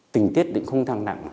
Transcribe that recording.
tình tiết định khung tăng nặng